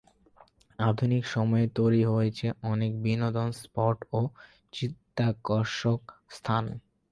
আধুনিক সময়ে তৈরী হয়েছে অনেক বিনোদন স্পট ও চিত্তাকর্ষক স্থান।